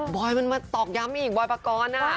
อยมันมาตอกย้ำอีกบอยปกรณ์